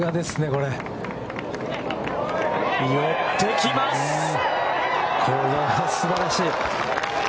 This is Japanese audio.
これはすばらしい！